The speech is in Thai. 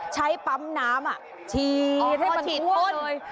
ใช้ปั๊มน้ำอ่ะฉีดให้มันทั่วเลย